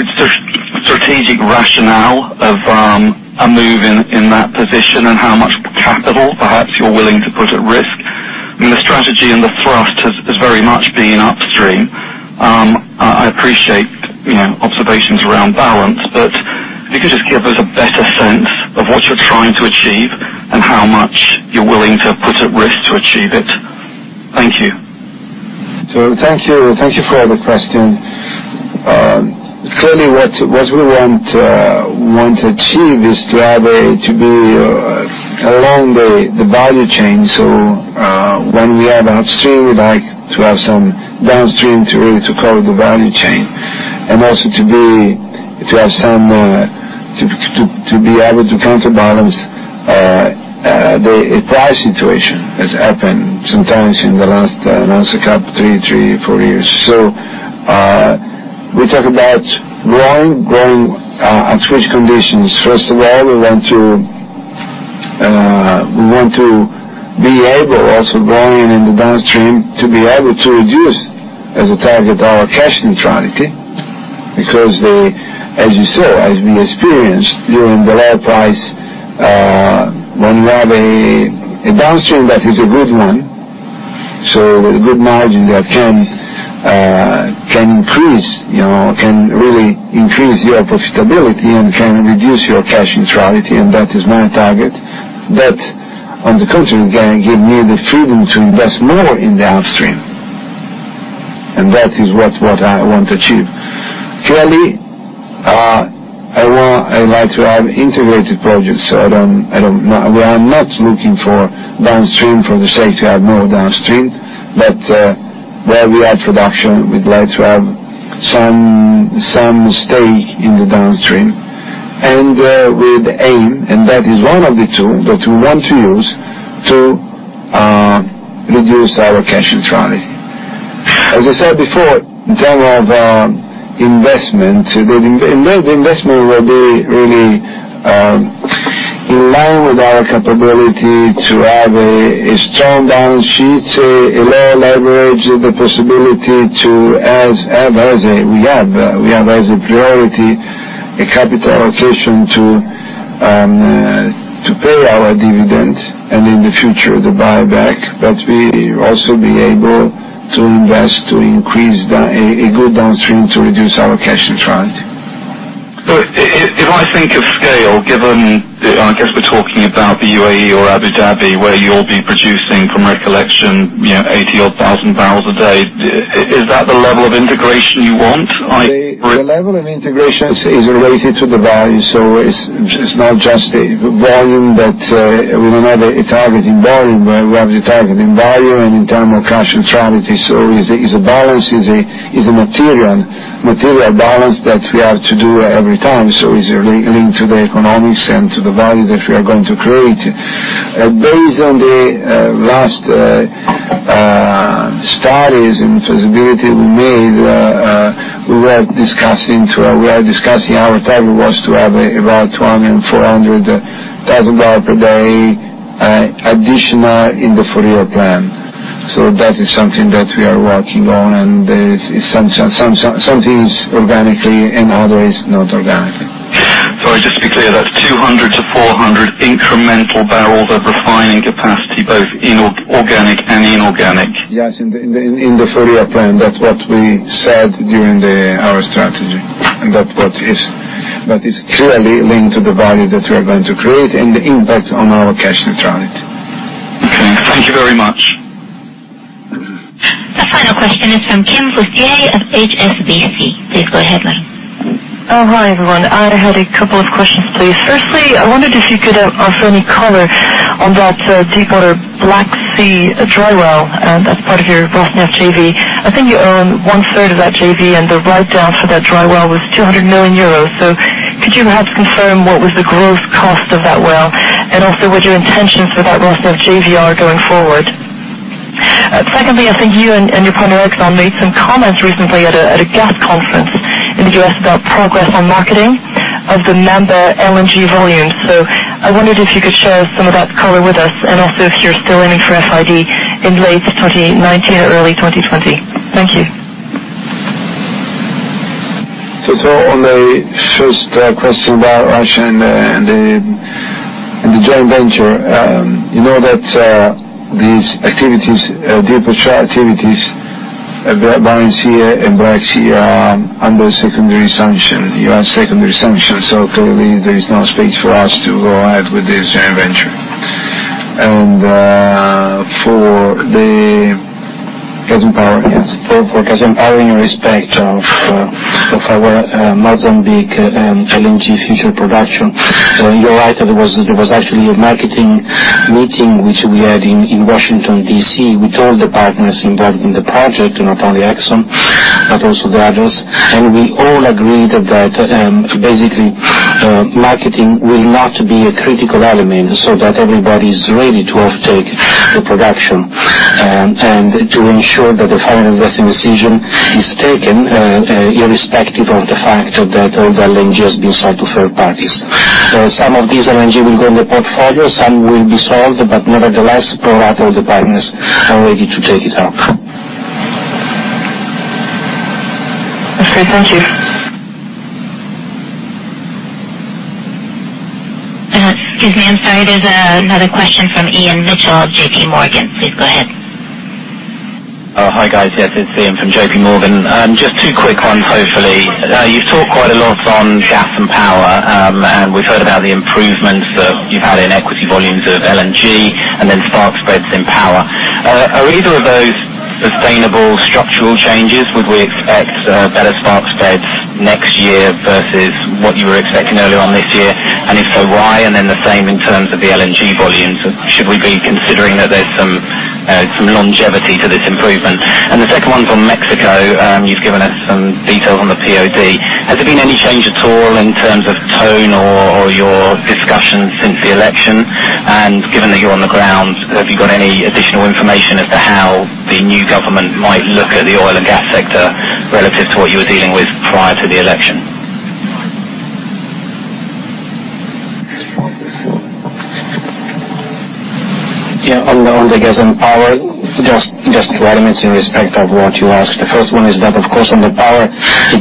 rationale of a move in that position and how much capital perhaps you're willing to put at risk. The strategy and the thrust has very much been upstream. I appreciate observations around balance, but if you could just give us a better sense of what you're trying to achieve and how much you're willing to put at risk to achieve it. Thank you. Thank you for the question. Clearly, what we want to achieve is to be along the value chain. When we have upstream, we like to have some downstream to really to cover the value chain. Also to be able to counterbalance the price situation as happened sometimes in the last, not so CapEx, 3, 4 years. We talk about growing at which conditions? First of all, we want to be able, also growing in the downstream, to be able to reduce as a target our cash neutrality. Because as you saw, as we experienced during the low price, when we have a downstream that is a good one. A good margin that can increase, can really increase your profitability and can reduce your cash neutrality, and that is my target. That, on the contrary, can give me the freedom to invest more in the upstream. That is what I want to achieve. Clearly, I'd like to have integrated projects, we are not looking for downstream for the sake to have more downstream. Where we have production, we'd like to have some stake in the downstream. With aim, that is one of the tools that we want to use to reduce our cash neutrality. As I said before, in term of investment, the investment will be really in line with our capability to have a strong balance sheet, a lower leverage, the possibility to have, we have as a priority, a capital allocation to pay our dividend, and in the future, the buyback. We also be able to invest to increase a good downstream to reduce our cash neutrality. If I think of scale, given, I guess we're talking about the U.A.E. or Abu Dhabi, where you'll be producing from recollection, 80,000 barrels a day. The level of integration is related to the value. It's not just the volume, we don't have a target in volume, but we have the target in value and in term of cash neutrality. Is a balance, is a material balance that we have to do every time. Is linked to the economics and to the value that we are going to create. Based on the last studies and feasibility we made, we are discussing our target was to have about 200,000 and 400,000 barrels per day, additional in the 4-year plan. That is something that we are working on, and something is organically and other is not organic. Sorry, just to be clear, that's 200-400 incremental barrels of refining capacity, both organic and inorganic. Yes, in the four-year plan. That's what we said during our strategy. That is clearly linked to the value that we are going to create and the impact on our cash neutrality. Okay. Thank you very much. The final question is from Kim Fustier of HSBC. Please go ahead, madam. Oh, hi, everyone. I had a couple of questions, please. Firstly, I wondered if you could offer any color on that deep water Black Sea dry well, that's part of your Rosneft JV. I think you own one third of that JV, and the write-down for that dry well was 200 million euros. Could you perhaps confirm what was the gross cost of that well, and also what's your intentions for that Rosneft JV are going forward? Secondly, I think you and your partner Exxon made some comments recently at a gas conference in the U.S. about progress on marketing of the Mozambique LNG volumes. I wondered if you could share some of that color with us, and also if you're still aiming for FID in late 2019 or early 2020. Thank you. On the first question about Russia and the joint venture. You know that these activities, deep offshore activities, at the Barents Sea and Black Sea are under secondary sanction, U.S. secondary sanction. Clearly, there is no space for us to go ahead with this joint venture. For the Gas and Power, yes. For Gas and Power in respect of our Mozambique and LNG future production, you're right, that there was actually a marketing meeting, which we had in Washington, D.C., with all the partners involved in the project, not only Exxon, but also the others. We all agreed that basically, marketing will not be a critical element so that everybody's ready to off-take the production, and to ensure that the final investment decision is taken, irrespective of the fact that all the LNG has been sold to third parties. Some of this LNG will go in the portfolio, some will be sold, but nevertheless, pro rata all the partners are ready to take it up. Okay, thank you. Excuse me, I'm sorry, there's another question from Ian Mitchell of JPMorgan. Please go ahead. Hi, guys. Yes, it's Ian from JPMorgan. Just two quick ones, hopefully. You've talked quite a lot on Gas and Power. We've heard about the improvements that you've had in equity volumes of LNG, and then spark spreads in power. Are either of those sustainable structural changes? Would we expect better spark spreads next year versus what you were expecting earlier on this year? If so, why? The same in terms of the LNG volumes. Should we be considering that there's some longevity to this improvement? The second one's on Mexico. You've given us some details on the POD. Has there been any change at all in terms of tone or your discussions since the election? Given that you're on the ground, have you got any additional information as to how the new government might look at the oil and gas sector relative to what you were dealing with prior to the election? Yeah, on the Gas and Power, just two elements in respect of what you asked. The first one is that, of course, on the power,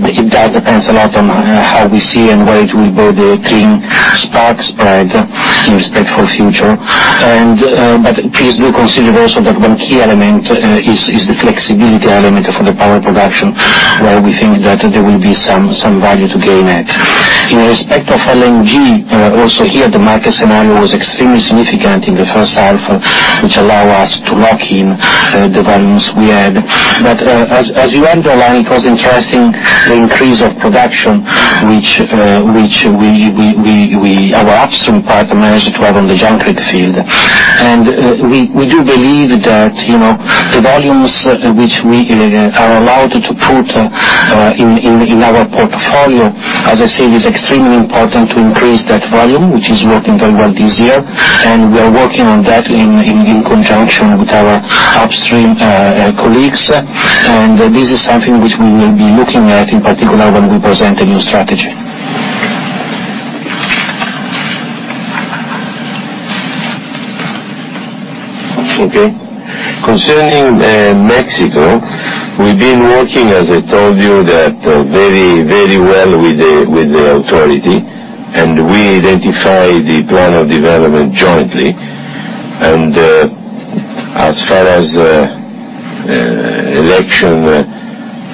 it does depend a lot on how we see and where it will be, the clean spark spread in respect for future. Please do consider also that one key element is the flexibility element for the power production, where we think that there will be some value to gain at. In respect of LNG, also here, the market scenario was extremely significant in the first half, which allow us to lock in the volumes we had. As you underline, it was interesting, the increase of production, which our upstream partners have on the field. We do believe that the volumes which we are allowed to put in our portfolio, as I said, is extremely important to increase that volume, which is working very well this year. We are working on that in conjunction with our upstream colleagues. This is something which we will be looking at, in particular, when we present a new strategy. Concerning Mexico, we've been working, as I told you, very well with the authority. We identified the plan of development jointly. As far as election,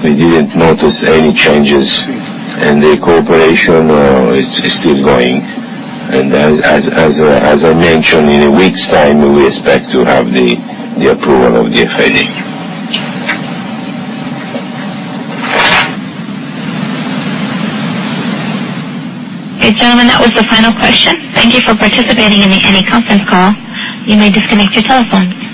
we didn't notice any changes, and the cooperation is still going. As I mentioned, in a week's time, we expect to have the approval of the FID. Okay, gentlemen, that was the final question. Thank you for participating in the Eni conference call. You may disconnect your telephones.